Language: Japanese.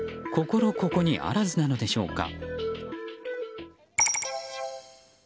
ここにあらずなのでしょうか。